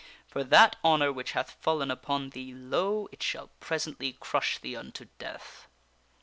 For that honor which hath fallen upon thee lo ! it shall presently crush thee unto death."